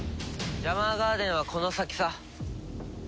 ジャマーガーデンはこの先さ。